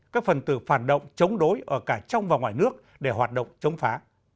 các phần từ phản động chống đối ở cả trong và ngoài nước để hoạt động chống phá